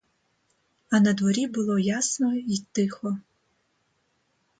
А надворі було ясно й тихо.